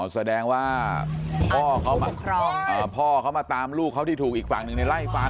แสดงว่าพ่อเขาพ่อเขามาตามลูกเขาที่ถูกอีกฝั่งหนึ่งในไล่ฟัน